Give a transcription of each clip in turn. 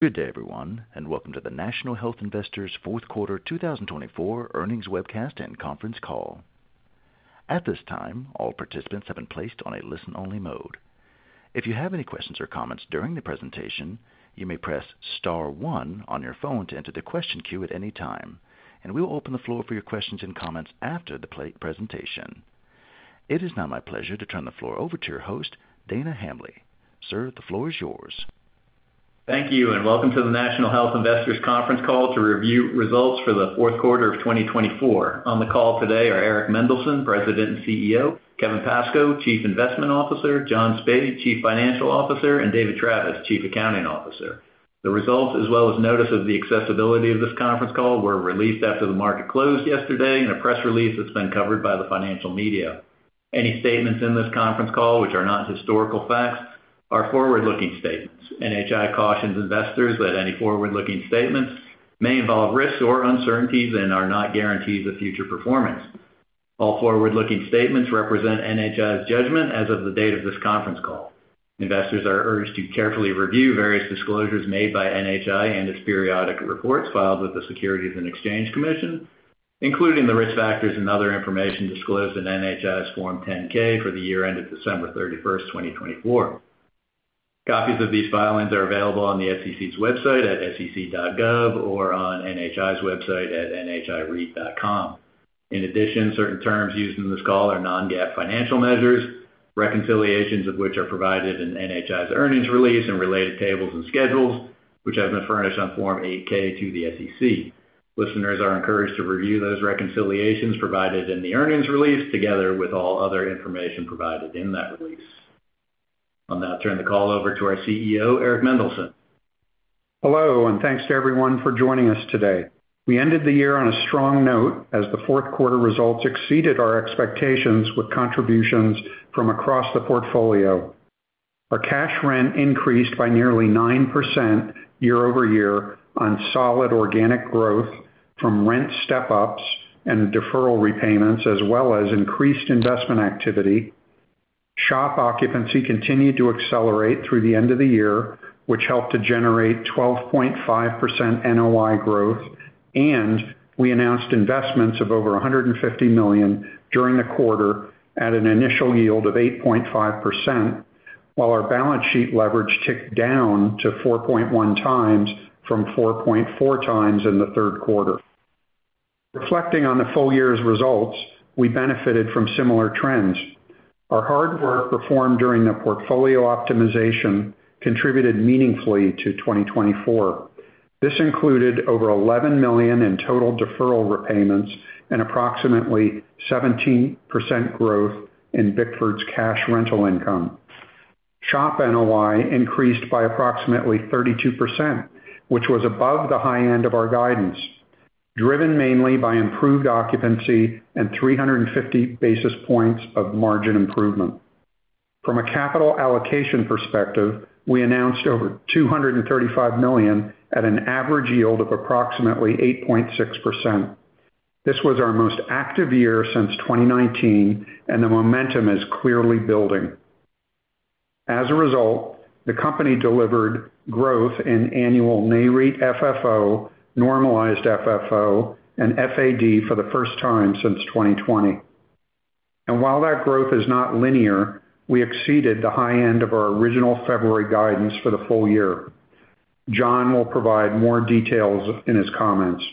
Good day, everyone, and Welcome to the National Health Investors Fourth Quarter 2024 Earnings Webcast and Conference Call. At this time, all participants have been placed on a listen-only mode. If you have any questions or comments during the presentation, you may press star one on your phone to enter the question queue at any time, and we will open the floor for your questions and comments after the presentation. It is now my pleasure to turn the floor over to your host, Dana Hambly. Sir, the floor is yours. Thank you, and welcome to the National Health Investors Conference Call to Review Results for the Fourth Quarter of 2024. On the call today are Eric Mendelsohn, President and CEO, Kevin Pascoe, Chief Investment Officer, John Spaid, Chief Financial Officer, and David Travis, Chief Accounting Officer. The results, as well as notice of the accessibility of this conference call, were released after the market closed yesterday in a press release that's been covered by the financial media. Any statements in this conference call, which are not historical facts, are forward-looking statements. NHI cautions investors that any forward-looking statements may involve risks or uncertainties and are not guarantees of future performance. All forward-looking statements represent NHI's judgment as of the date of this conference call. Investors are urged to carefully review various disclosures made by NHI and its periodic reports filed with the Securities and Exchange Commission, including the risk factors and other information disclosed in NHI's Form 10-K for the year ended December 31, 2024. Copies of these filings are available on the SEC's website at sec.gov or on NHI's website at nhireit.com. In addition, certain terms used in this call are non-GAAP financial measures, reconciliations of which are provided in NHI's earnings release and related tables and schedules, which have been furnished on Form 8-K to the SEC. Listeners are encouraged to review those reconciliations provided in the earnings release together with all other information provided in that release. I'll now turn the call over to our CEO, Eric Mendelsohn. Hello, and thanks to everyone for joining us today. We ended the year on a strong note as the fourth quarter results exceeded our expectations with contributions from across the portfolio. Our cash rent increased by nearly 9% year over year on solid organic growth from rent step-ups and deferral repayments, as well as increased investment activity. SHOP occupancy continued to accelerate through the end of the year, which helped to generate 12.5% NOI growth, and we announced investments of over $150 million during the quarter at an initial yield of 8.5%, while our balance sheet leverage ticked down to 4.1 times from 4.4 times in the third quarter. Reflecting on the full year's results, we benefited from similar trends. Our hard work performed during the portfolio optimization contributed meaningfully to 2024. This included over $11 million in total deferral repayments and approximately 17% growth in Bickford's cash rental income. SHOP NOI increased by approximately 32%, which was above the high end of our guidance, driven mainly by improved occupancy and 350 basis points of margin improvement. From a capital allocation perspective, we announced over $235 million at an average yield of approximately 8.6%. This was our most active year since 2019, and the momentum is clearly building. As a result, the company delivered growth in annual NAREIT FFO, normalized FFO, and FAD for the first time since 2020. While that growth is not linear, we exceeded the high end of our original February guidance for the full year. John will provide more details in his comments.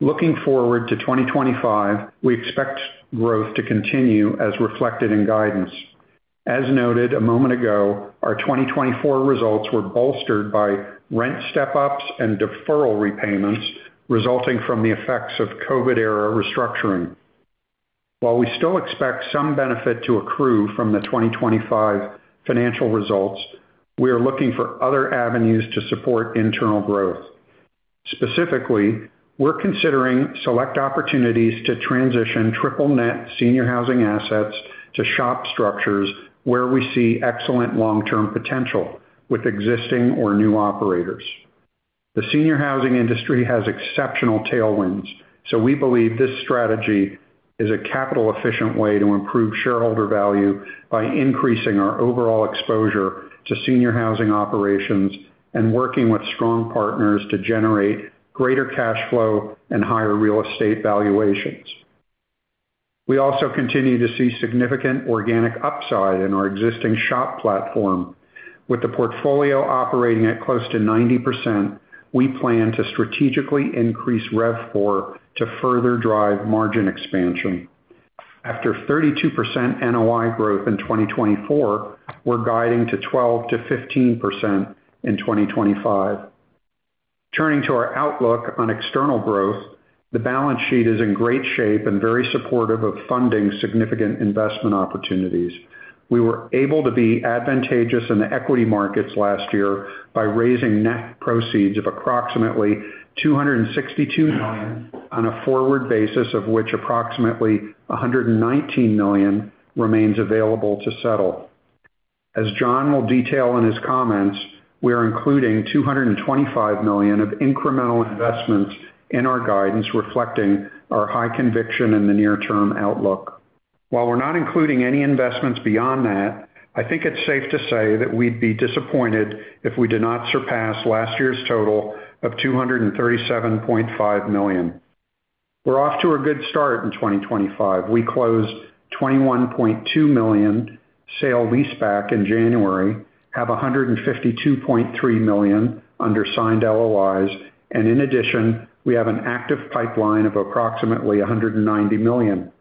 Looking forward to 2025, we expect growth to continue as reflected in guidance. As noted a moment ago, our 2024 results were bolstered by rent step-ups and deferral repayments resulting from the effects of COVID-era restructuring. While we still expect some benefit to accrue from the 2025 financial results, we are looking for other avenues to support internal growth. Specifically, we're considering select opportunities to transition triple-net senior housing assets to SHOP structures where we see excellent long-term potential with existing or new operators. The senior housing industry has exceptional tailwinds, so we believe this strategy is a capital-efficient way to improve shareholder value by increasing our overall exposure to senior housing operations and working with strong partners to generate greater cash flow and higher real estate valuations. We also continue to see significant organic upside in our existing SHOP platform. With the portfolio operating at close to 90%, we plan to strategically increase RevPOR to further drive margin expansion. After 32% NOI growth in 2024, we're guiding to 12%-15% in 2025. Turning to our outlook on external growth, the balance sheet is in great shape and very supportive of funding significant investment opportunities. We were able to be advantageous in the equity markets last year by raising net proceeds of approximately $262 million on a forward basis, of which approximately $119 million remains available to settle. As John will detail in his comments, we are including $225 million of incremental investments in our guidance, reflecting our high conviction in the near-term outlook. While we're not including any investments beyond that, I think it's safe to say that we'd be disappointed if we did not surpass last year's total of $237.5 million. We're off to a good start in 2025. We closed $21.2 million sale-leaseback in January, have $152.3 million under signed LOIs, and in addition, we have an active pipeline of approximately $190 million.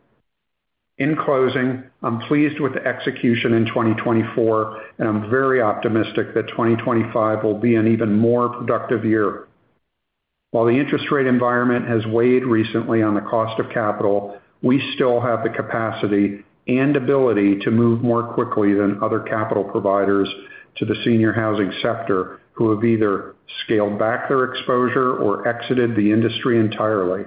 In closing, I'm pleased with the execution in 2024, and I'm very optimistic that 2025 will be an even more productive year. While the interest rate environment has weighed recently on the cost of capital, we still have the capacity and ability to move more quickly than other capital providers to the senior housing sector, who have either scaled back their exposure or exited the industry entirely.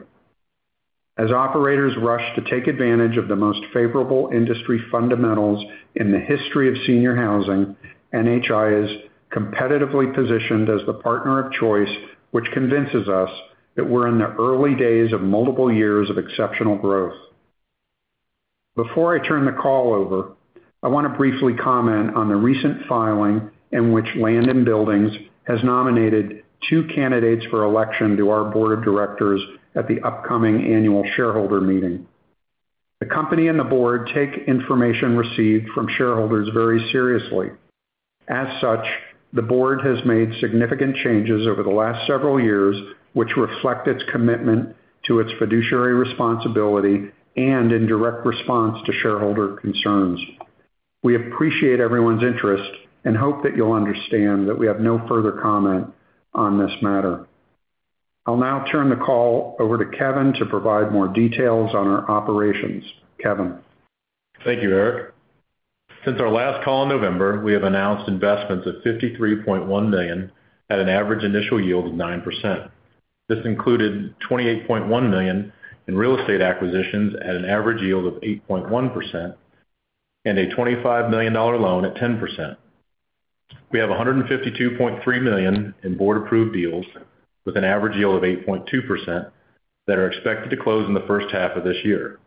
As operators rush to take advantage of the most favorable industry fundamentals in the history of senior housing, NHI is competitively positioned as the partner of choice, which convinces us that we're in the early days of multiple years of exceptional growth. Before I turn the call over, I want to briefly comment on the recent filing in which Land & Buildings has nominated two candidates for election to our board of directors at the upcoming Annual Shareholder Meeting. The company and the board take information received from shareholders very seriously. As such, the board has made significant changes over the last several years, which reflect its commitment to its fiduciary responsibility and in direct response to shareholder concerns. We appreciate everyone's interest and hope that you'll understand that we have no further comment on this matter. I'll now turn the call over to Kevin to provide more details on our operations. Kevin. Thank you, Eric. Since our last call in November, we have announced investments of $53.1 million at an average initial yield of 9%. This included $28.1 million in real estate acquisitions at an average yield of 8.1% and a $25 million loan at 10%. We have $152.3 million in board-approved deals with an average yield of 8.2% that are expected to close in the first half of this year.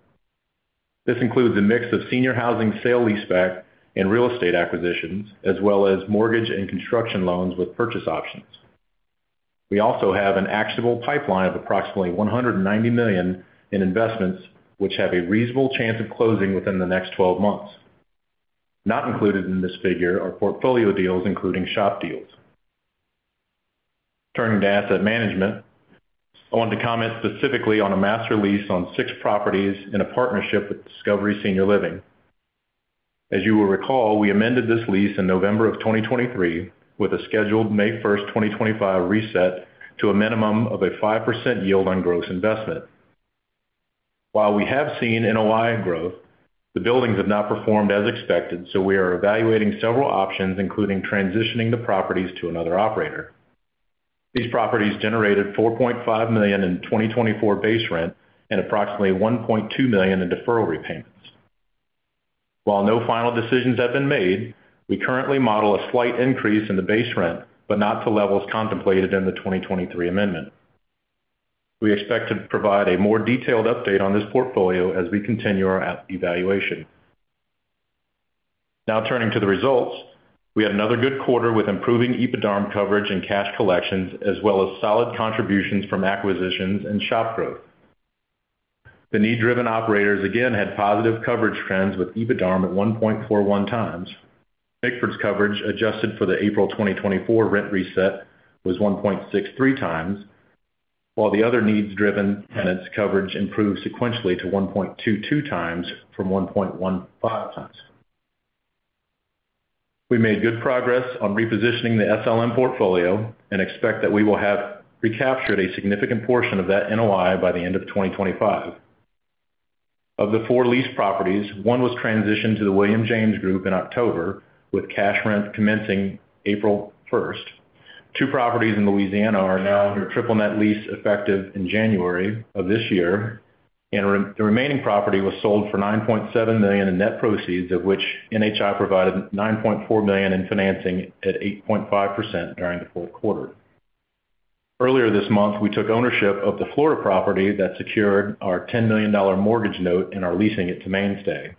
This includes a mix of senior housing sale-leaseback and real estate acquisitions, as well as mortgage and construction loans with purchase options. We also have an actionable pipeline of approximately $190 million in investments, which have a reasonable chance of closing within the next 12 months. Not included in this figure are portfolio deals, including SHOP deals. Turning to asset management, I want to comment specifically on a master lease on six properties in a partnership with Discovery Senior Living. As you will recall, we amended this lease in November of 2023 with a scheduled May 1st, 2025 reset to a minimum of a 5% yield on gross investment. While we have seen NOI growth, the buildings have not performed as expected, so we are evaluating several options, including transitioning the properties to another operator. These properties generated $4.5 million in 2024 base rent and approximately $1.2 million in deferral repayments. While no final decisions have been made, we currently model a slight increase in the base rent, but not to levels contemplated in the 2023 amendment. We expect to provide a more detailed update on this portfolio as we continue our evaluation. Now turning to the results, we had another good quarter with improving EBITDARM coverage and cash collections, as well as solid contributions from acquisitions and SHOP growth. The need-driven operators again had positive coverage trends with EBITDARM at 1.41 times. Bickford's coverage adjusted for the April 2024 rent reset was 1.63 times, while the other needs-driven tenants' coverage improved sequentially to 1.22 times from 1.15 times. We made good progress on repositioning the SLM portfolio and expect that we will have recaptured a significant portion of that NOI by the end of 2025. Of the four leased properties, one was transitioned to the William James Group in October, with cash rent commencing April 1st. Two properties in Louisiana are now under triple-net lease, effective in January of this year, and the remaining property was sold for $9.7 million in net proceeds, of which NHI provided $9.4 million in financing at 8.5% during the fourth quarter. Earlier this month, we took ownership of the Florida property that secured our $10 million mortgage note and are leasing it to Mainstay.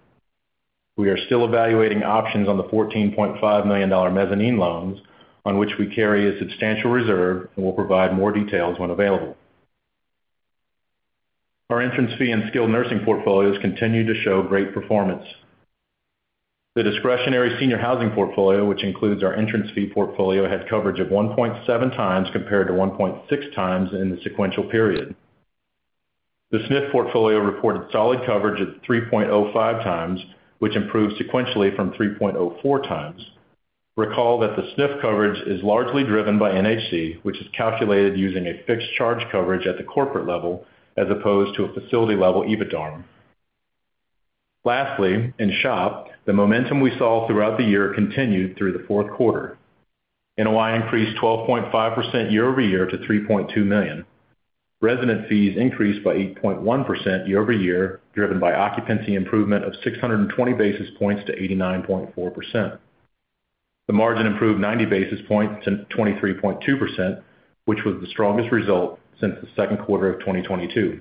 We are still evaluating options on the $14.5 million mezzanine loans, on which we carry a substantial reserve, and will provide more details when available. Our entrance fee and skilled nursing portfolios continue to show great performance. The discretionary senior housing portfolio, which includes our entrance fee portfolio, had coverage of 1.7 times compared to 1.6 times in the sequential period. The SNF portfolio reported solid coverage at 3.05 times, which improved sequentially from 3.04 times. Recall that the SNF coverage is largely driven by NHC, which is calculated using a fixed charge coverage at the corporate level as opposed to a facility-level EBITDARM. Lastly, in SHOP, the momentum we saw throughout the year continued through the fourth quarter. NOI increased 12.5% year over year to $3.2 million. Resident fees increased by 8.1% year over year, driven by occupancy improvement of 620 basis points to 89.4%. The margin improved 90 basis points to 23.2%, which was the strongest result since the second quarter of 2022.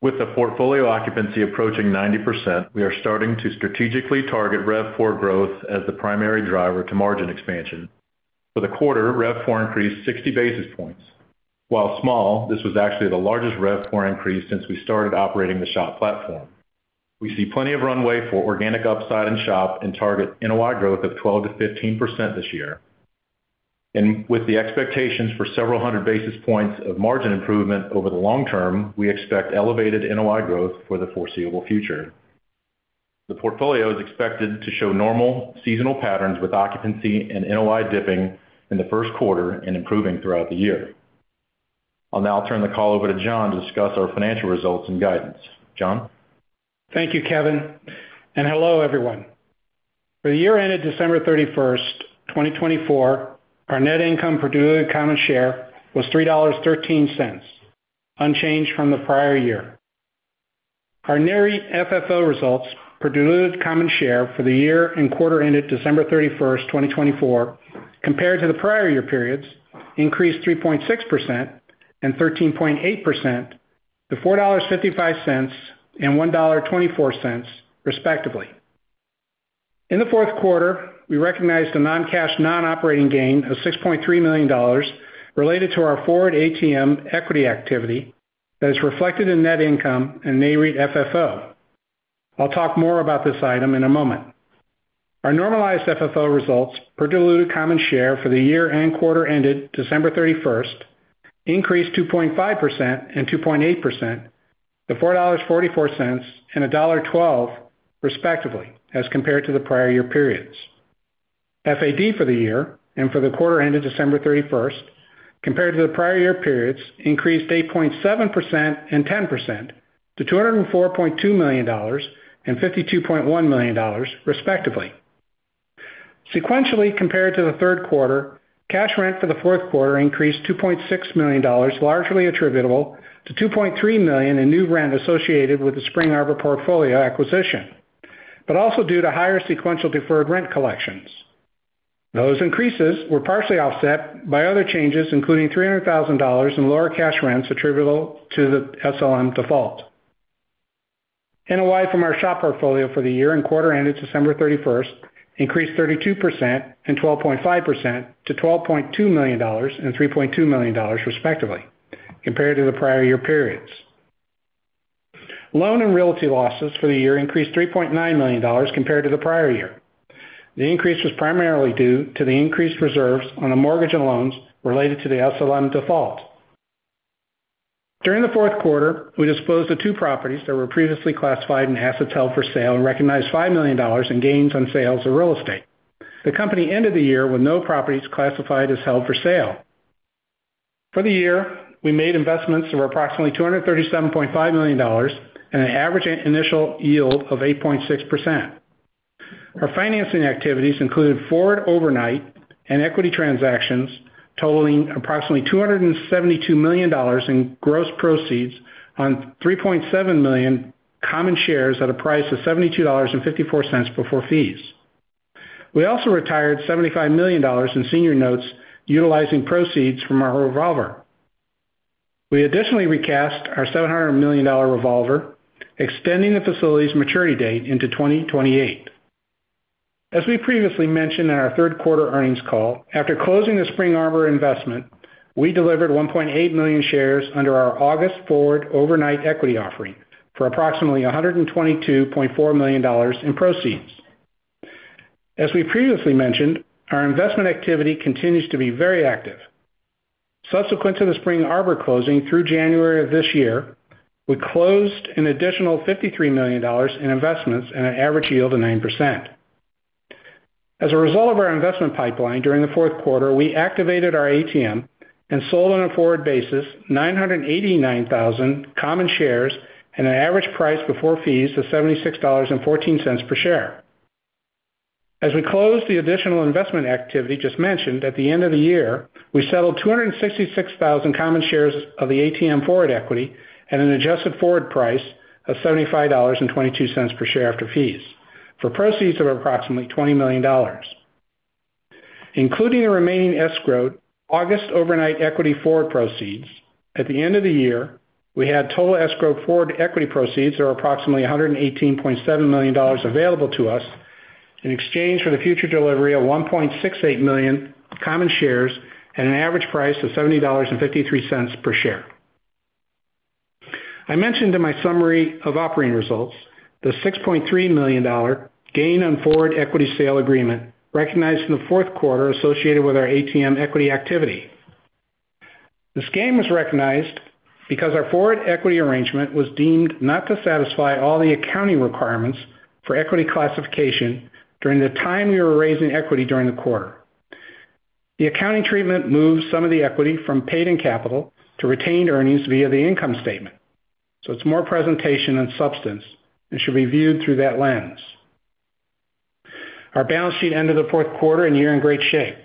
With the portfolio occupancy approaching 90%, we are starting to strategically target RevPOR growth as the primary driver to margin expansion. For the quarter, RevPOR increased 60 basis points. While small, this was actually the largest RevPOR increase since we started operating the SHOP platform. We see plenty of runway for organic upside in SHOP and target NOI growth of 12%-15% this year, and with the expectations for several hundred basis points of margin improvement over the long term, we expect elevated NOI growth for the foreseeable future. The portfolio is expected to show normal seasonal patterns with occupancy and NOI dipping in the first quarter and improving throughout the year. I'll now turn the call over to John to discuss our financial results and guidance. John? Thank you, Kevin. Hello, everyone. For the year ended December 31, 2024, our net income per diluted common share was $3.13, unchanged from the prior year. Our NAREIT FFO results per diluted common share for the year and quarter ended December 31st, 2024, compared to the prior year periods, increased 3.6% and 13.8% to $4.55 and $1.24, respectively. In the fourth quarter, we recognized a non-cash non-operating gain of $6.3 million related to our forward ATM equity activity that is reflected in net income and NAREIT FFO. I'll talk more about this item in a moment. Our normalized FFO results per diluted common share for the year and quarter ended December 31 increased 2.5% and 2.8% to $4.44 and $1.12, respectively, as compared to the prior year periods. FAD for the year and for the quarter ended December 31, compared to the prior year periods, increased 8.7% and 10% to $204.2 million and $52.1 million, respectively. Sequentially compared to the third quarter, cash rent for the fourth quarter increased $2.6 million, largely attributable to $2.3 million in new rent associated with the Spring Arbor portfolio acquisition, but also due to higher sequential deferred rent collections. Those increases were partially offset by other changes, including $300,000 in lower cash rents attributable to the SLM default. NOI from our SHOP portfolio for the year and quarter ended December 31st increased 32% and 12.5% to $12.2 million and $3.2 million, respectively, compared to the prior year periods. Loan and realty losses for the year increased $3.9 million compared to the prior year. The increase was primarily due to the increased reserves on the mortgage and loans related to the SLM default. During the fourth quarter, we disposed of two properties that were previously classified in assets held for sale and recognized $5 million in gains on sales of real estate. The company ended the year with no properties classified as held for sale. For the year, we made investments of approximately $237.5 million and an average initial yield of 8.6%. Our financing activities included forward equity transactions, totaling approximately $272 million in gross proceeds on 3.7 million common shares at a price of $72.54 before fees. We also retired $75 million in senior notes utilizing proceeds from our revolver. We additionally recast our $700 million revolver, extending the facility's maturity date into 2028. As we previously mentioned in our third quarter earnings call, after closing the Spring Arbor investment, we delivered 1.8 million shares under our August forward equity offering for approximately $122.4 million in proceeds. As we previously mentioned, our investment activity continues to be very active. Subsequent to the Spring Arbor closing through January of this year, we closed an additional $53 million in investments and an average yield of 9%. As a result of our investment pipeline during the fourth quarter, we activated our ATM and sold on a forward basis 989,000 common shares at an average price before fees of $76.14 per share. As we closed the additional investment activity just mentioned at the end of the year, we settled 266,000 common shares of the ATM forward equity at an adjusted forward price of $75.22 per share after fees for proceeds of approximately $20 million. Including the remaining escrowed August overnight equity forward proceeds, at the end of the year, we had total escrowed forward equity proceeds of approximately $118.7 million available to us in exchange for the future delivery of 1.68 million common shares at an average price of $70.53 per share. I mentioned in my summary of operating results the $6.3 million gain on forward equity sale agreement recognized in the fourth quarter associated with our ATM equity activity. This gain was recognized because our forward equity arrangement was deemed not to satisfy all the accounting requirements for equity classification during the time we were raising equity during the quarter. The accounting treatment moved some of the equity from paid-in capital to retained earnings via the income statement. So it's more presentation than substance and should be viewed through that lens. Our balance sheet ended the fourth quarter and year in great shape.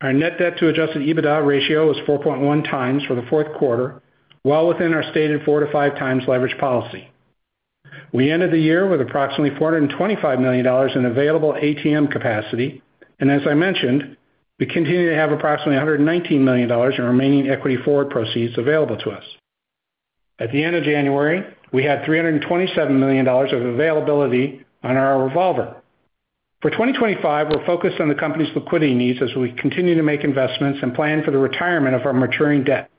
Our net debt-to-adjusted EBITDA ratio was 4.1 times for the fourth quarter, well within our stated four to five times leverage policy. We ended the year with approximately $425 million in available ATM capacity. And as I mentioned, we continue to have approximately $119 million in remaining equity forward proceeds available to us. At the end of January, we had $327 million of availability on our revolver. For 2025, we're focused on the company's liquidity needs as we continue to make investments and plan for the retirement of our maturing debt.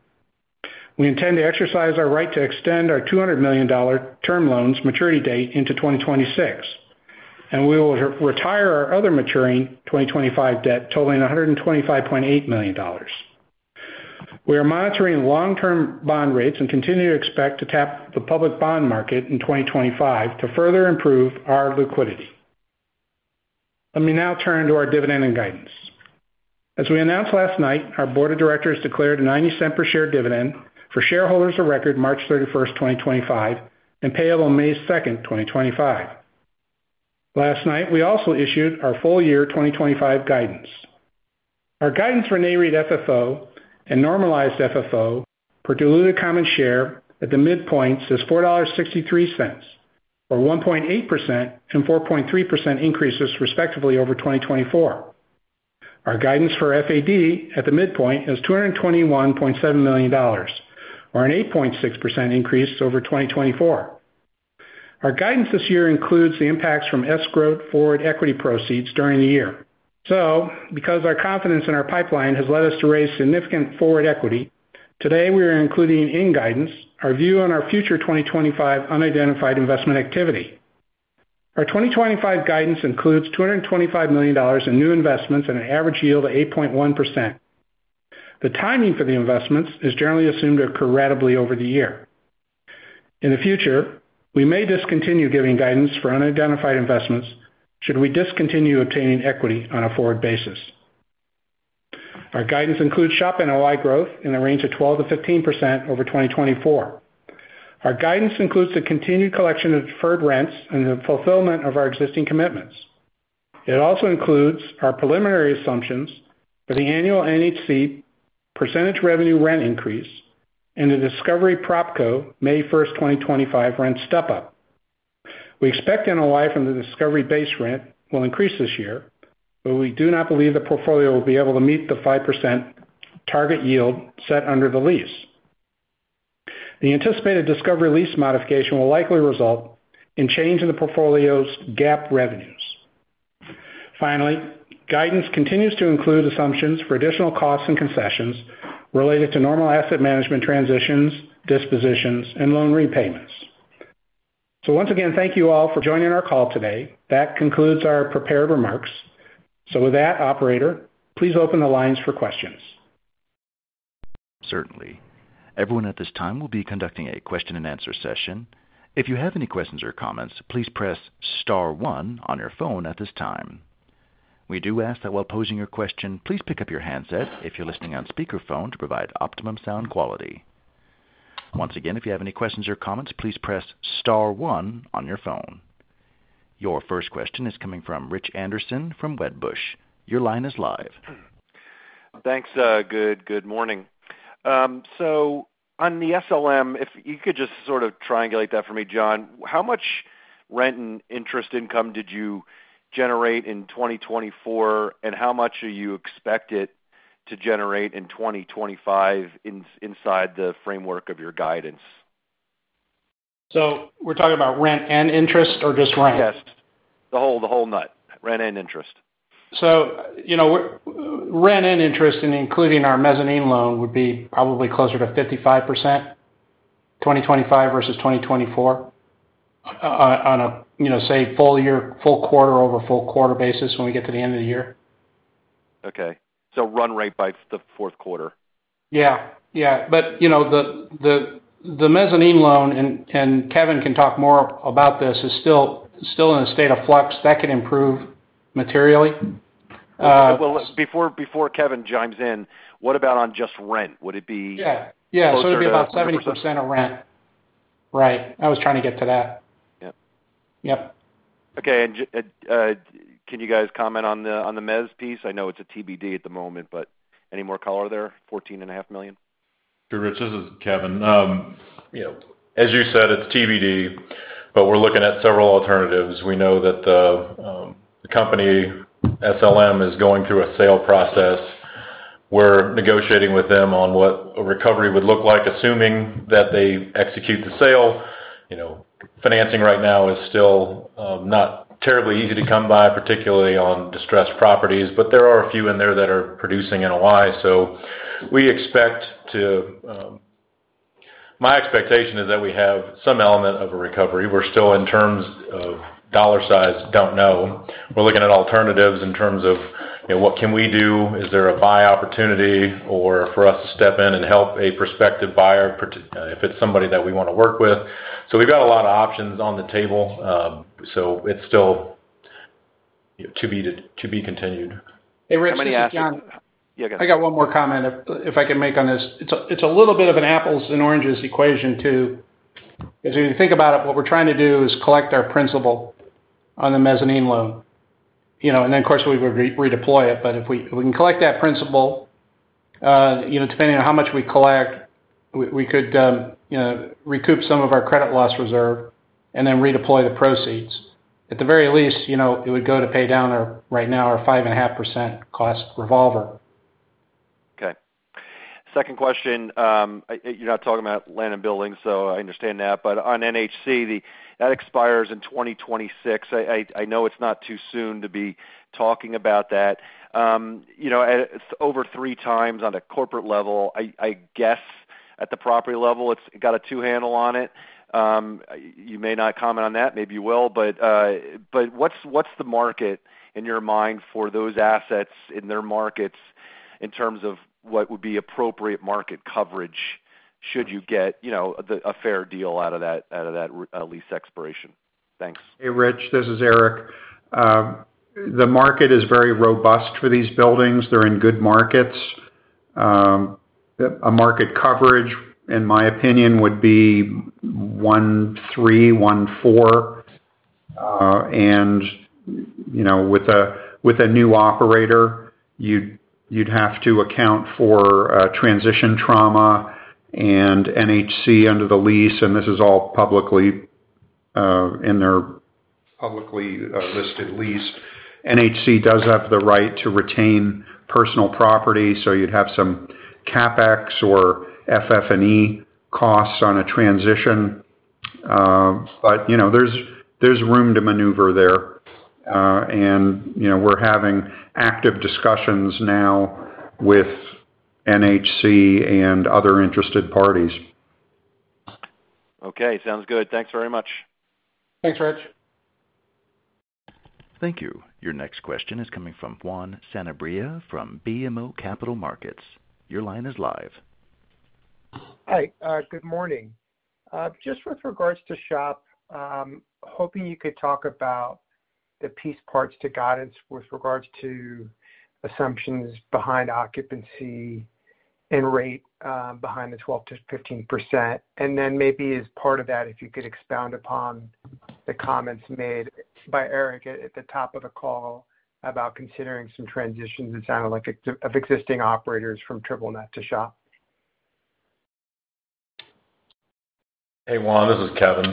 We intend to exercise our right to extend our $200 million term loans maturity date into 2026. And we will retire our other maturing 2025 debt totaling $125.8 million. We are monitoring long-term bond rates and continue to expect to tap the public bond market in 2025 to further improve our liquidity. Let me now turn to our dividend and guidance. As we announced last night, our board of directors declared a $0.90 per share dividend for shareholders of record March 31st, 2025, and payable May 2nd, 2025. Last night, we also issued our full-year 2025 guidance. Our guidance for NAREIT FFO and normalized FFO per diluted common share at the midpoints is $4.63, or 1.8% and 4.3% increases, respectively, over 2024. Our guidance for FAD at the midpoint is $221.7 million, or an 8.6% increase over 2024. Our guidance this year includes the impacts from escrowed forward equity proceeds during the year. So because our confidence in our pipeline has led us to raise significant forward equity, today we are including in guidance our view on our future 2025 unidentified investment activity. Our 2025 guidance includes $225 million in new investments and an average yield of 8.1%. The timing for the investments is generally assumed to occur readily over the year. In the future, we may discontinue giving guidance for unidentified investments should we discontinue obtaining equity on a forward basis. Our guidance includes SHOP NOI growth in the range of 12%-15% over 2024. Our guidance includes the continued collection of deferred rents and the fulfillment of our existing commitments. It also includes our preliminary assumptions for the annual NHC percentage revenue rent increase and the Discovery PropCo May 1st, 2025 rent step-up. We expect NOI from the Discovery base rent will increase this year, but we do not believe the portfolio will be able to meet the 5% target yield set under the lease. The anticipated Discovery lease modification will likely result in change in the portfolio's GAAP revenues. Finally, guidance continues to include assumptions for additional costs and concessions related to normal asset management transitions, dispositions, and loan repayments. So once again, thank you all for joining our call today. That concludes our prepared remarks. So with that, Operator, please open the lines for questions. Certainly. Everyone at this time will be conducting a question-and-answers session. If you have any questions or comments, please press star one on your phone at this time. We do ask that while posing your question, please pick up your handset if you're listening on speakerphone to provide optimum sound quality. Once again, if you have any questions or comments, please press star one on your phone. Your first question is coming from Rich Anderson from Wedbush. Your line is live. Thanks. Good morning. So on the SLM, if you could just sort of triangulate that for me, John, how much rent and interest income did you generate in 2024, and how much do you expect it to generate in 2025, inside the framework of your guidance? So we're talking about rent and interest, or just rent? Yes. The whole nut. Rent and interest. Rent and interest, including our mezzanine loan, would be probably closer to 55% 2025 versus 2024 on a, say, full-year, full-quarter-over-full-quarter basis when we get to the end of the year. Okay, so run rate by the fourth quarter? Yeah. Yeah. But the mezzanine loan, and Kevin can talk more about this, is still in a state of flux. That can improve materially. Before Kevin chimes in, what about on just rent? Would it be? Yeah. Yeah. So it'd be about 70% of rent. Right. I was trying to get to that. Yep. Yep. Okay, and can you guys comment on the mezz piece? I know it's a TBD at the moment, but any more color there? $14.5 million? Rich, this is Kevin. As you said, it's TBD, but we're looking at several alternatives. We know that the company SLM is going through a sale process. We're negotiating with them on what a recovery would look like, assuming that they execute the sale. Financing right now is still not terribly easy to come by, particularly on distressed properties, but there are a few in there that are producing NOI. So we expect to. My expectation is that we have some element of a recovery. We're still, in terms of dollar size, don't know. We're looking at alternatives in terms of what can we do? Is there a buy opportunity for us to step in and help a prospective buyer if it's somebody that we want to work with? So we've got a lot of options on the table. So it's still to be continued. Hey, Rich. This is John. How many asked? Yeah, go ahead. I got one more comment, if I can make on this. It's a little bit of an apples-and-oranges equation, too. As you think about it, what we're trying to do is collect our principal on the mezzanine loan. And then, of course, we would redeploy it. But if we can collect that principal, depending on how much we collect, we could recoup some of our credit loss reserve and then redeploy the proceeds. At the very least, it would go to pay down right now our 5.5% cost revolver. Okay. Second question. You're not talking about land and buildings, so I understand that. But on NHC, that expires in 2026. I know it's not too soon to be talking about that. It's over three times on a corporate level. I guess at the property level, it's got a two-handle on it. You may not comment on that. Maybe you will. But what's the market in your mind for those assets in their markets in terms of what would be appropriate market coverage should you get a fair deal out of that lease expiration? Thanks. Hey, Rich. This is Eric. The market is very robust for these buildings. They're in good markets. A market coverage, in my opinion, would be 1.3, 1.4, and with a new operator, you'd have to account for transition trauma and NHC under the lease, and this is all publicly in their publicly listed lease. NHC does have the right to retain personal property, so you'd have some CapEx or FF&E costs on a transition, but there's room to maneuver there, and we're having active discussions now with NHC and other interested parties. Okay. Sounds good. Thanks very much. Thanks, Rich. Thank you. Your next question is coming from Juan Sanabria from BMO Capital Markets. Your line is live. Hi. Good morning. Just with regards to SHOP, hoping you could talk about the piece parts to guidance with regards to assumptions behind occupancy and rate behind the 12%-15%. And then maybe as part of that, if you could expound upon the comments made by Eric at the top of the call about considering some transitions of existing operators from triple-net to SHOP. Hey, Juan. This is Kevin.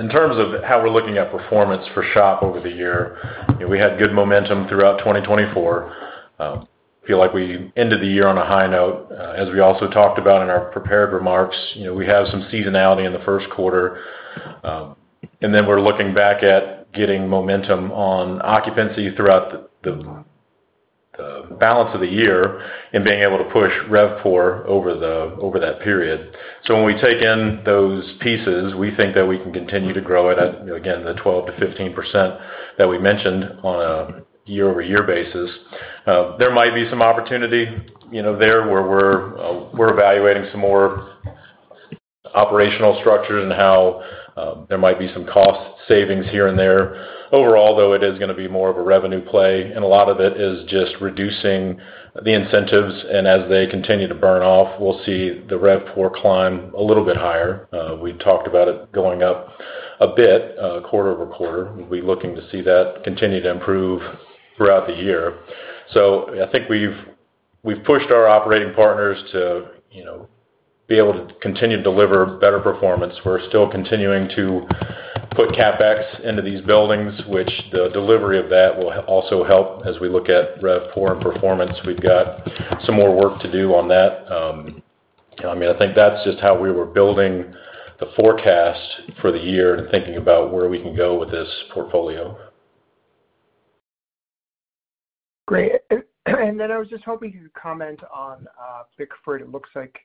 In terms of how we're looking at performance for SHOP over the year, we had good momentum throughout 2024. I feel like we ended the year on a high note. As we also talked about in our prepared remarks, we have some seasonality in the first quarter, and then we're looking back at getting momentum on occupancy throughout the balance of the year and being able to push RevPOR over that period, so when we take in those pieces, we think that we can continue to grow at, again, the 12%-15% that we mentioned on a year-over-year basis. There might be some opportunity there where we're evaluating some more operational structures and how there might be some cost savings here and there. Overall, though, it is going to be more of a revenue play. And a lot of it is just reducing the incentives. And as they continue to burn off, we'll see the RevPOR climb a little bit higher. We talked about it going up a bit quarter over quarter. We'll be looking to see that continue to improve throughout the year. So I think we've pushed our operating partners to be able to continue to deliver better performance. We're still continuing to put CapEx into these buildings, which the delivery of that will also help as we look at RevPOR and performance. We've got some more work to do on that. I mean, I think that's just how we were building the forecast for the year and thinking about where we can go with this portfolio. Great. And then I was just hoping you could comment on Bickford. It looks like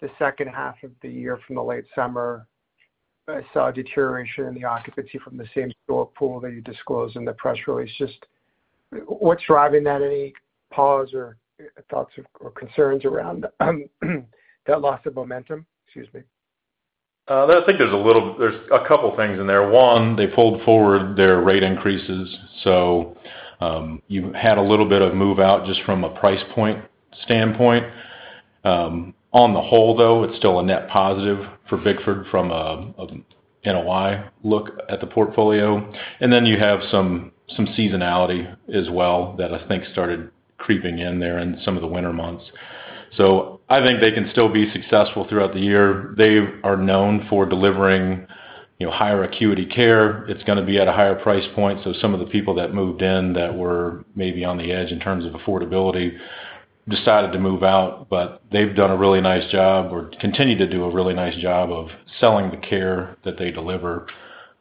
the second half of the year from the late summer, I saw a deterioration in the occupancy from the same store pool that you disclosed in the press release. Just what's driving that? Any pause or thoughts or concerns around that loss of momentum? Excuse me. I think there's a couple of things in there. One, they pulled forward their rate increases. So you had a little bit of move out just from a price point standpoint. On the whole, though, it's still a net positive for Bickford from an NOI look at the portfolio, and then you have some seasonality as well that I think started creeping in there in some of the winter months, so I think they can still be successful throughout the year. They are known for delivering higher acuity care. It's going to be at a higher price point. So some of the people that moved in that were maybe on the edge in terms of affordability decided to move out, but they've done a really nice job or continue to do a really nice job of selling the care that they deliver.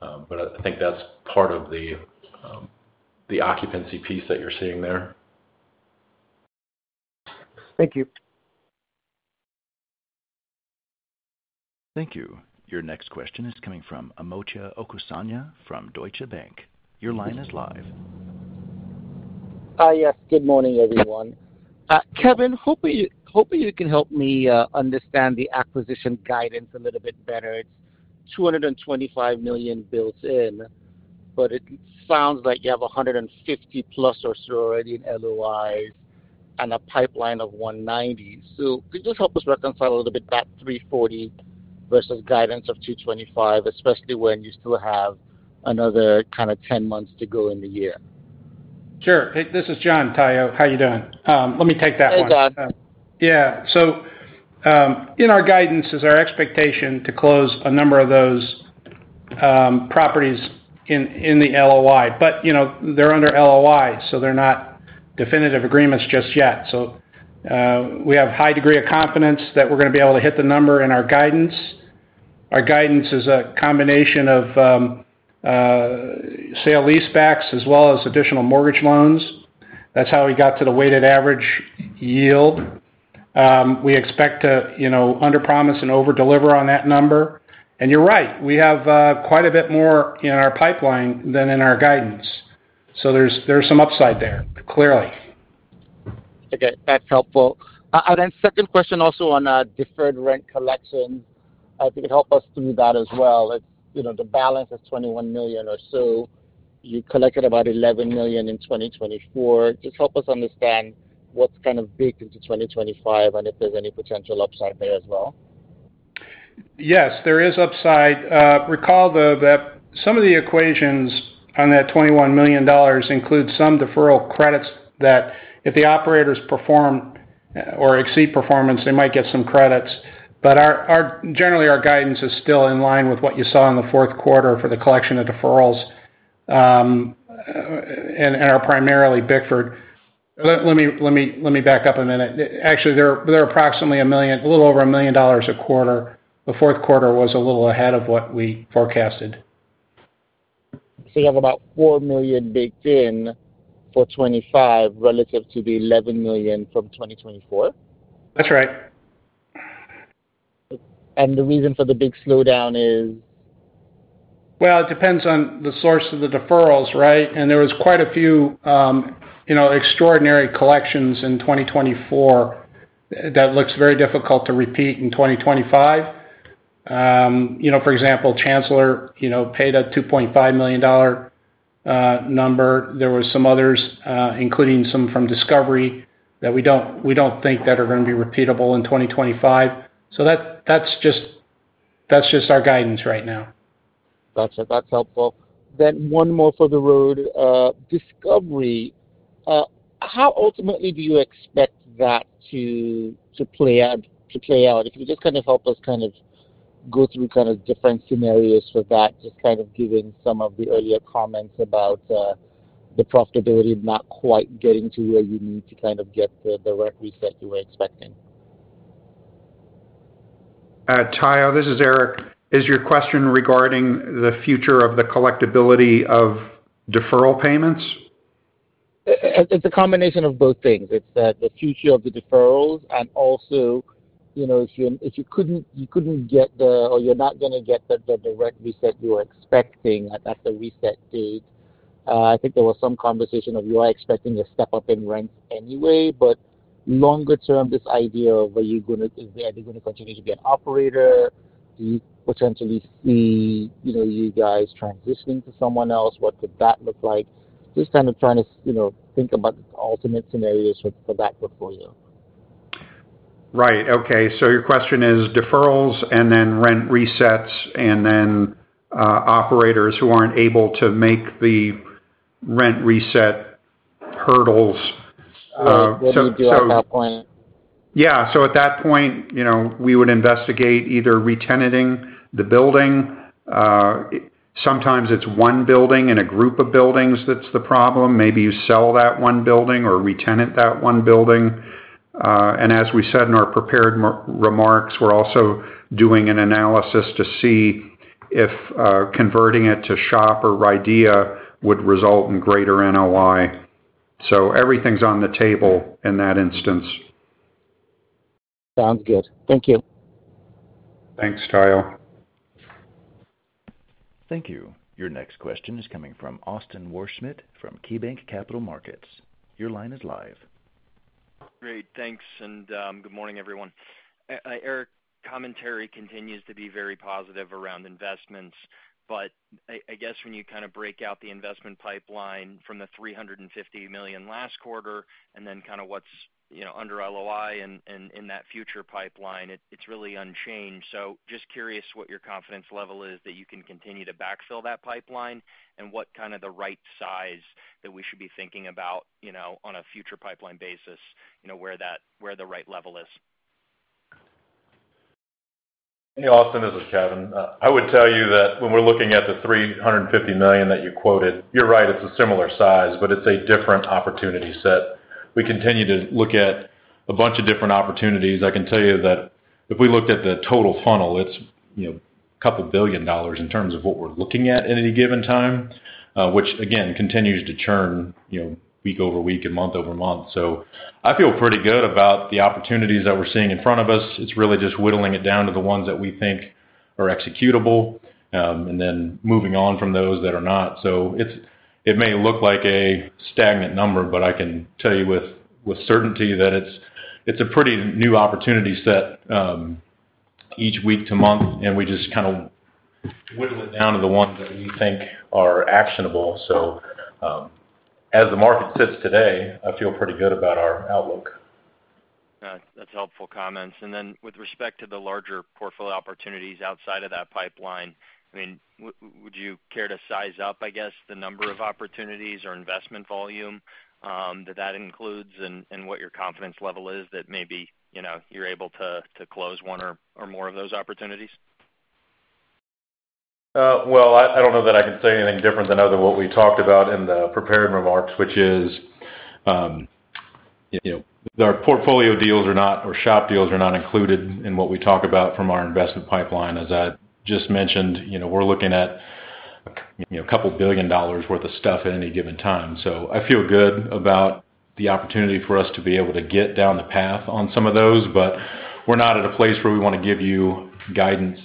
But I think that's part of the occupancy piece that you're seeing there. Thank you. Thank you. Your next question is coming from Omotayo Okusanya from Deutsche Bank. Your line is live. Yes. Good morning, everyone. Kevin, hopefully you can help me understand the acquisition guidance a little bit better. It's $225 million built in, but it sounds like you have 150-plus or so already in LOIs and a pipeline of $190. So could you just help us reconcile a little bit that $340 versus guidance of $225, especially when you still have another kind of 10 months to go in the year? Sure. This is John, Tayo. How are you doing? Let me take that one. Hey, John. Yeah. So in our guidance, it's our expectation to close a number of those properties in the LOI. But they're under LOI, so they're not definitive agreements just yet. So we have a high degree of confidence that we're going to be able to hit the number in our guidance. Our guidance is a combination of sale-leasebacks as well as additional mortgage loans. That's how we got to the weighted average yield. We expect to underpromise and overdeliver on that number. And you're right. We have quite a bit more in our pipeline than in our guidance. So there's some upside there, clearly. Okay. That's helpful. And then second question also on deferred rent collection. If you could help us through that as well. The balance is $21 million or so. You collected about $11 million in 2024. Just help us understand what's kind of baked into 2025 and if there's any potential upside there as well. Yes, there is upside. Recall, though, that some of the equations on that $21 million include some deferral credits that if the operators perform or exceed performance, they might get some credits. But generally, our guidance is still in line with what you saw in the fourth quarter for the collection of deferrals, and are primarily Bickford. Let me back up a minute. Actually, they're approximately $1 million, a little over $1 million a quarter. The fourth quarter was a little ahead of what we forecasted. So you have about $4 million baked in for 2025 relative to the $11 million from 2024? That's right. The reason for the big slowdown is? It depends on the source of the deferrals, right? There was quite a few extraordinary collections in 2024 that looks very difficult to repeat in 2025. For example, Chancellor paid a $2.5 million number. There were some others, including some from Discovery, that we don't think that are going to be repeatable in 2025. That's just our guidance right now. Gotcha. That's helpful. Then one more for the road. Discovery, how ultimately do you expect that to play out? If you could just kind of help us kind of go through kind of different scenarios for that, just kind of giving some of the earlier comments about the profitability of not quite getting to where you need to kind of get the rent reset you were expecting. Tayo, this is Eric. Is your question regarding the future of the collectibility of deferral payments? It's a combination of both things. It's the future of the deferrals, and also, if you couldn't get there, or you're not going to get the rent reset you were expecting at the reset date. I think there was some conversation that you are expecting a step-up in rents anyway. But longer term, this idea of are you going to continue to be an operator? Do you potentially see you guys transitioning to someone else? What could that look like? Just kind of trying to think about the alternate scenarios for that portfolio. Right. Okay. So your question is deferrals and then rent resets, and then operators who aren't able to make the rent reset hurdles. What would you do at that point? Yeah. So at that point, we would investigate either re-tenanting the building. Sometimes it's one building and a group of buildings that's the problem. Maybe you sell that one building or re-tenant that one building. And as we said in our prepared remarks, we're also doing an analysis to see if converting it to SHOP or RIDEA would result in greater NOI. So everything's on the table in that instance. Sounds good. Thank you. Thanks, Tayo. Thank you. Your next question is coming from Austin Wurschmidt from KeyBanc Capital Markets. Your line is live. Great. Thanks. And good morning, everyone. Eric, commentary continues to be very positive around investments. But I guess when you kind of break out the investment pipeline from the $350 million last quarter and then kind of what's under LOI and in that future pipeline, it's really unchanged. So, just curious what your confidence level is that you can continue to backfill that pipeline and what kind of the right size that we should be thinking about on a future pipeline basis, where the right level is. Hey, Austin. This is Kevin. I would tell you that when we're looking at the $350 million that you quoted, you're right. It's a similar size, but it's a different opportunity set. We continue to look at a bunch of different opportunities. I can tell you that if we looked at the total funnel, it's $2 billion in terms of what we're looking at at any given time, which, again, continues to churn week over week and month over month. So I feel pretty good about the opportunities that we're seeing in front of us. It's really just whittling it down to the ones that we think are executable and then moving on from those that are not. So it may look like a stagnant number, but I can tell you with certainty that it's a pretty new opportunity set each week to month. And we just kind of whittle it down to the ones that we think are actionable. So as the market sits today, I feel pretty good about our outlook. That's helpful comments. And then with respect to the larger portfolio opportunities outside of that pipeline, I mean, would you care to size up, I guess, the number of opportunities or investment volume that that includes and what your confidence level is that maybe you're able to close one or more of those opportunities? I don't know that I can say anything different than what we talked about in the prepared remarks, which is our portfolio deals are not, or SHOP deals are not, included in what we talk about from our investment pipeline. As I just mentioned, we're looking at $2 billion worth of stuff at any given time. So I feel good about the opportunity for us to be able to get down the path on some of those. But we're not at a place where we want to give you guidance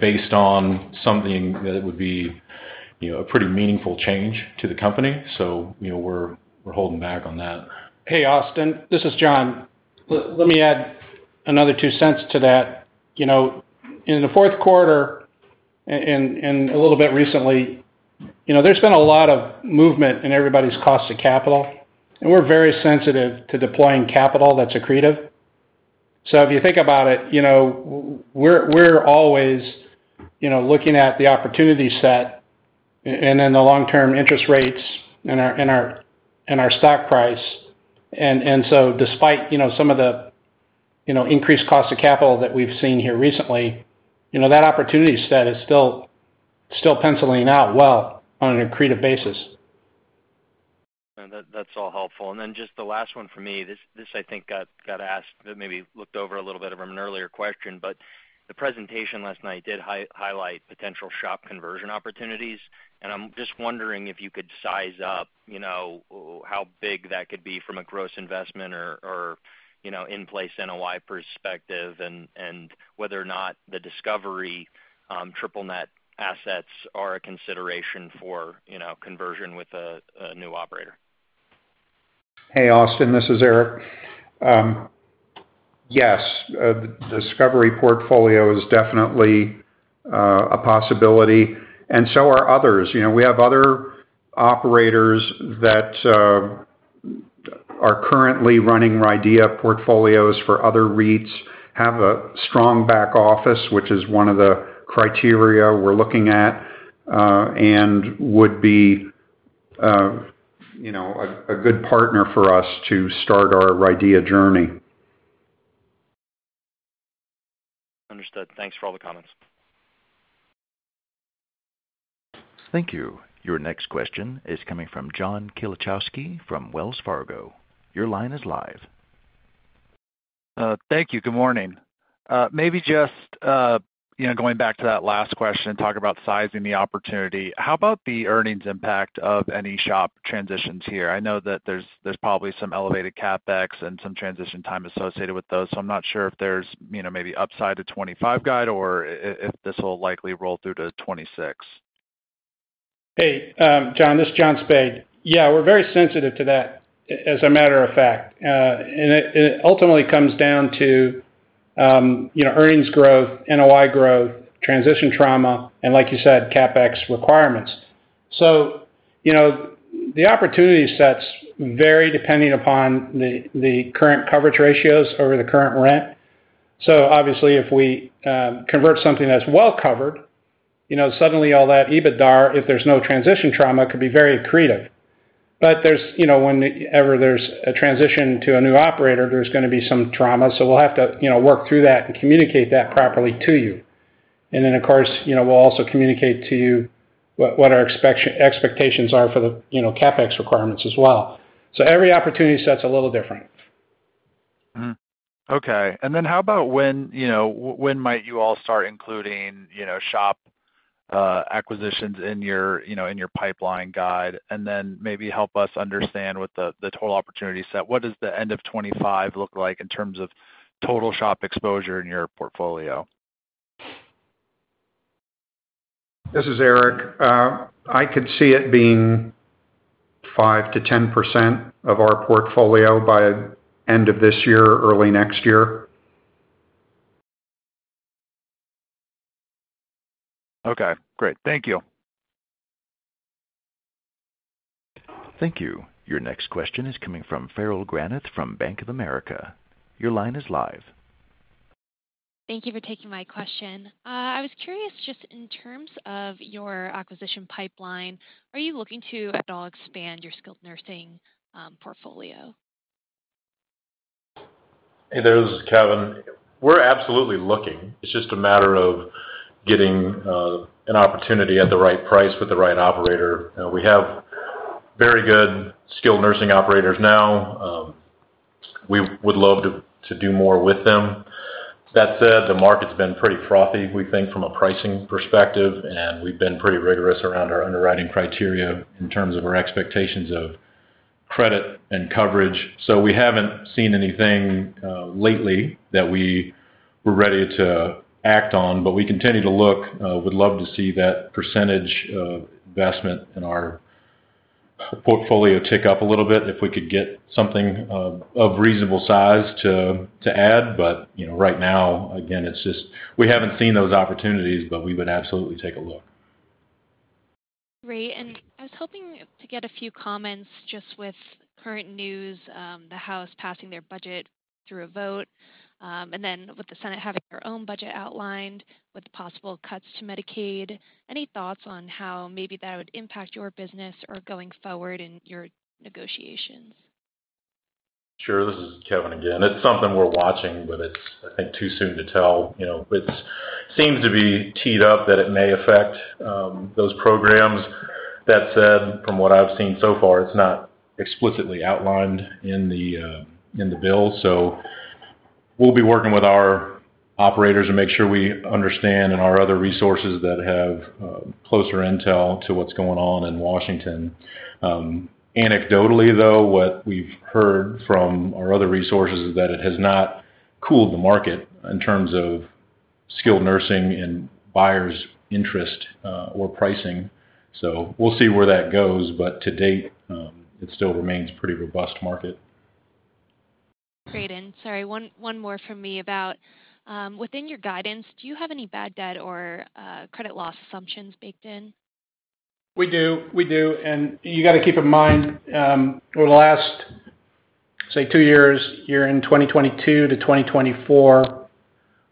based on something that would be a pretty meaningful change to the company. So we're holding back on that. Hey, Austin. This is John. Let me add another two cents to that. In the fourth quarter and a little bit recently, there's been a lot of movement in everybody's cost of capital. And we're very sensitive to deploying capital that's accretive. So if you think about it, we're always looking at the opportunity set and then the long-term interest rates and our stock price. And so despite some of the increased cost of capital that we've seen here recently, that opportunity set is still penciling out well on an accretive basis. That's all helpful. And then just the last one for me. This, I think, got asked but maybe looked over a little bit from an earlier question. But the presentation last night did highlight potential SHOP conversion opportunities. And I'm just wondering if you could size up how big that could be from a gross investment or in-place NOI perspective and whether or not the Discovery triple-net assets are a consideration for conversion with a new operator? Hey, Austin. This is Eric. Yes. The Discovery portfolio is definitely a possibility. And so are others. We have other operators that are currently running RIDEA portfolios for other REITs, have a strong back office, which is one of the criteria we're looking at, and would be a good partner for us to start our RIDEA journey. Understood. Thanks for all the comments. Thank you. Your next question is coming from John Kilichowski from Wells Fargo. Your line is live. Thank you. Good morning. Maybe just going back to that last question and talking about sizing the opportunity, how about the earnings impact of any SHOP transitions here? I know that there's probably some elevated CapEx and some transition time associated with those. So I'm not sure if there's maybe upside to 2025 guide or if this will likely roll through to 2026. Hey, John. This is John Spaid. Yeah, we're very sensitive to that as a matter of fact. It ultimately comes down to earnings growth, NOI growth, transition trauma, and, like you said, CapEx requirements. The opportunity sets vary depending upon the current coverage ratios over the current rent. Obviously, if we convert something that's well covered, suddenly all that EBITDA, if there's no transition trauma, could be very accretive. But whenever there's a transition to a new operator, there's going to be some trauma. We'll have to work through that and communicate that properly to you. Then, of course, we'll also communicate to you what our expectations are for the CapEx requirements as well. Every opportunity sets a little different. Okay. And then how about when might you all start including SHOP acquisitions in your pipeline guide and then maybe help us understand with the total opportunity set, what does the end of 2025 look like in terms of total SHOP exposure in your portfolio? This is Eric. I could see it being 5%-10% of our portfolio by end of this year, early next year. Okay. Great. Thank you. Thank you. Your next question is coming from Farrell Granath from Bank of America. Your line is live. Thank you for taking my question. I was curious, just in terms of your acquisition pipeline, are you looking to at all expand your skilled nursing portfolio? Hey, this is Kevin. We're absolutely looking. It's just a matter of getting an opportunity at the right price with the right operator. We have very good skilled nursing operators now. We would love to do more with them. That said, the market's been pretty frothy, we think, from a pricing perspective. And we've been pretty rigorous around our underwriting criteria in terms of our expectations of credit and coverage. So we haven't seen anything lately that we were ready to act on. But we continue to look. We'd love to see that percentage of investment in our portfolio tick up a little bit if we could get something of reasonable size to add. But right now, again, it's just we haven't seen those opportunities, but we would absolutely take a look. Great. And I was hoping to get a few comments just with current news, the House passing their budget through a vote, and then with the Senate having their own budget outlined with possible cuts to Medicaid. Any thoughts on how maybe that would impact your business or going forward in your negotiations? Sure. This is Kevin again. It's something we're watching, but it's, I think, too soon to tell. It seems to be teed up that it may affect those programs. That said, from what I've seen so far, it's not explicitly outlined in the bill. So we'll be working with our operators to make sure we understand and our other resources that have closer intel to what's going on in Washington. Anecdotally, though, what we've heard from our other resources is that it has not cooled the market in terms of skilled nursing and buyers' interest or pricing. So we'll see where that goes. But to date, it still remains a pretty robust market. Great. And sorry, one more from me about within your guidance, do you have any bad debt or credit loss assumptions baked in? We do. We do, and you got to keep in mind over the last, say, two years, year in 2022 to 2024,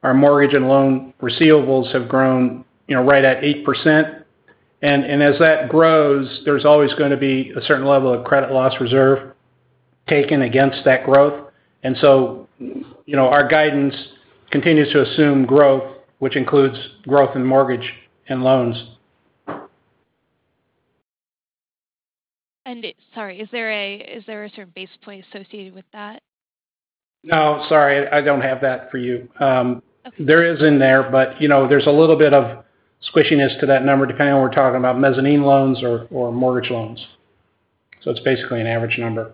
our mortgage and loan receivables have grown right at 8%, and as that grows, there's always going to be a certain level of credit loss reserve taken against that growth, and so our guidance continues to assume growth, which includes growth in mortgage and loans. Sorry, is there a certain basis point associated with that? No, sorry. I don't have that for you. Okay. There is in there, but there's a little bit of squishiness to that number depending on what we're talking about, mezzanine loans or mortgage loans. So it's basically an average number.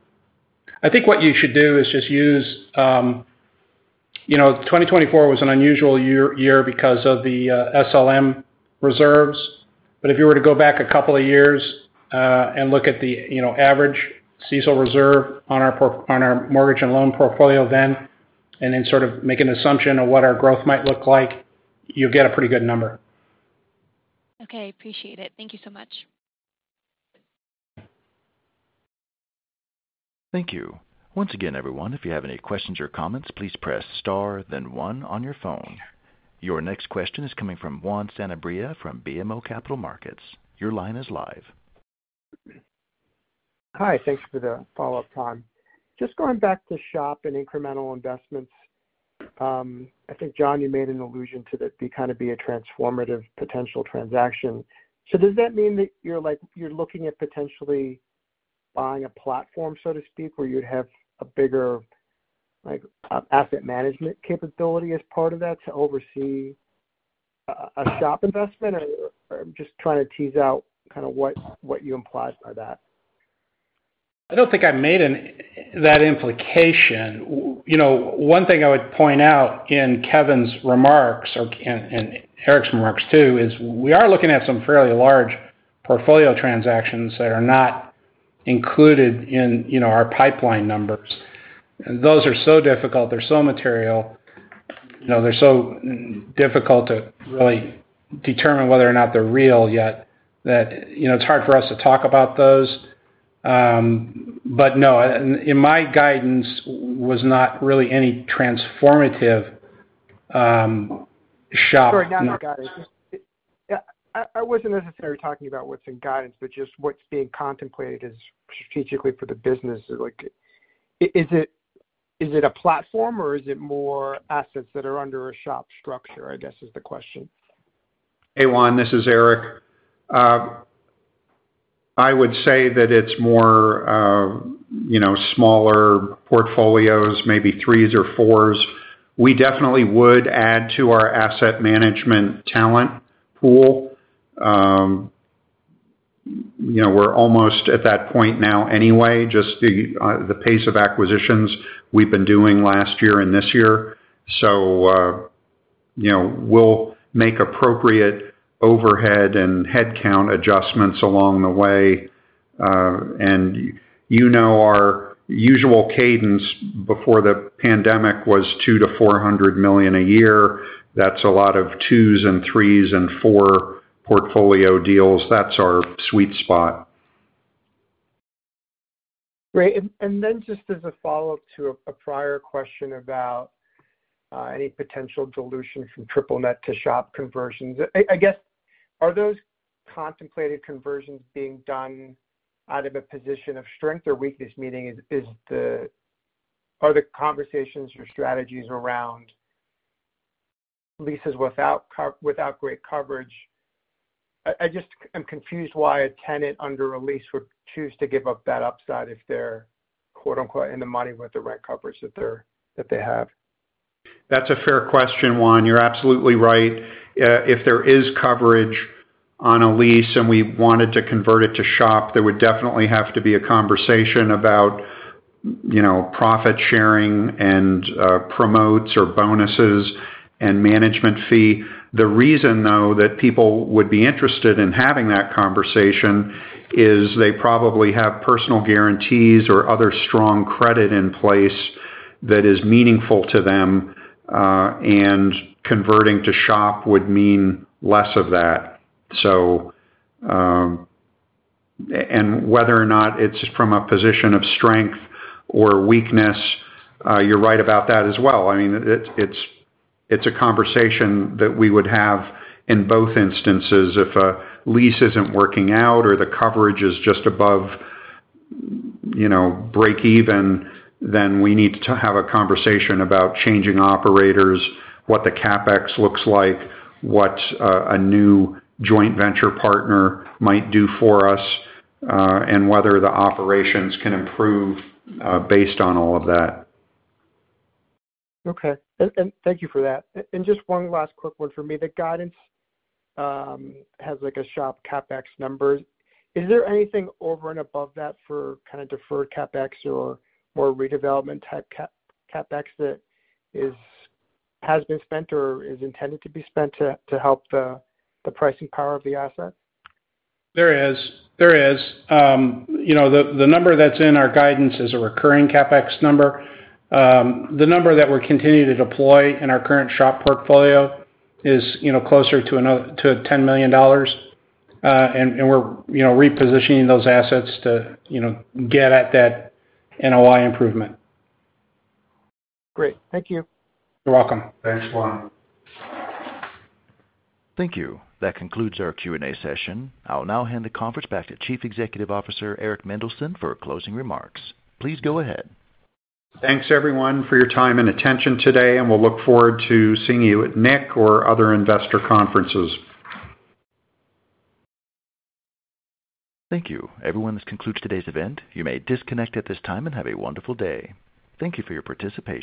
I think what you should do is just use 2024 was an unusual year because of the SLM reserves. But if you were to go back a couple of years and look at the average CECL reserve on our mortgage and loan portfolio then and then sort of make an assumption of what our growth might look like, you'll get a pretty good number. Okay. Appreciate it. Thank you so much. Thank you. Once again, everyone, if you have any questions or comments, please press star, then one on your phone. Your next question is coming from Juan Sanabria from BMO Capital Markets. Your line is live. Hi. Thanks for the follow-up, John. Just going back to SHOP and incremental investments, I think, John, you made an allusion to that it'd kind of be a transformative potential transaction. So does that mean that you're looking at potentially buying a platform, so to speak, where you'd have a bigger asset management capability as part of that to oversee a SHOP investment? Or I'm just trying to tease out kind of what you implied by that. I don't think I made that implication. One thing I would point out in Kevin's remarks and Eric's remarks, too is we are looking at some fairly large portfolio transactions that are not included in our pipeline numbers, and those are so difficult. They're so material. They're so difficult to really determine whether or not they're real yet that it's hard for us to talk about those. But no, in my guidance, was not really any transformative SHOP. Sure. Not in the guidance. I wasn't necessarily talking about what's in guidance, but just what's being contemplated strategically for the business. Is it a platform or is it more assets that are under a SHOP structure, I guess, is the question? Hey, Juan. This is Eric. I would say that it's more smaller portfolios, maybe threes or fours. We definitely would add to our asset management talent pool. We're almost at that point now anyway, just the pace of acquisitions we've been doing last year and this year. So we'll make appropriate overhead and headcount adjustments along the way. And our usual cadence before the pandemic was $2 million-$400 million a year. That's a lot of twos and threes and four portfolio deals. That's our sweet spot. Great. And then just as a follow-up to a prior question about any potential dilution from triple-net to SHOP conversions, I guess, are those contemplated conversions being done out of a position of strength or weakness? Meaning, are the conversations or strategies around leases without great coverage? I just am confused why a tenant under a lease would choose to give up that upside if they're "in the money" with the rent coverage that they have. That's a fair question, Juan. You're absolutely right. If there is coverage on a lease and we wanted to convert it to SHOP, there would definitely have to be a conversation about profit sharing and promotes or bonuses and management fee. The reason, though, that people would be interested in having that conversation is they probably have personal guarantees or other strong credit in place that is meaningful to them. And converting to SHOP would mean less of that. And whether or not it's from a position of strength or weakness, you're right about that as well. I mean, it's a conversation that we would have in both instances. If a lease isn't working out or the coverage is just above break-even, then we need to have a conversation about changing operators, what the CapEx looks like, what a new joint venture partner might do for us, and whether the operations can improve based on all of that. Okay. And thank you for that. And just one last quick one for me. The guidance has a SHOP CapEx number. Is there anything over and above that for kind of deferred CapEx or more redevelopment-type CapEx that has been spent or is intended to be spent to help the pricing power of the asset? There is. The number that's in our guidance is a recurring CapEx number. The number that we're continuing to deploy in our current SHOP portfolio is closer to $10 million. And we're repositioning those assets to get at that NOI improvement. Great. Thank you. You're welcome. Thanks, Juan. Thank you. That concludes our Q&A session. I'll now hand the conference back to Chief Executive Officer Eric Mendelsohn for closing remarks. Please go ahead. Thanks, everyone, for your time and attention today. And we'll look forward to seeing you at NIC or other investor conferences. Thank you. Everyone, this concludes today's event. You may disconnect at this time and have a wonderful day. Thank you for your participation.